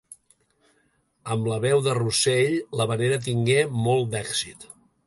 Amb la veu de Rossell, l'havanera tingué molt d'èxit.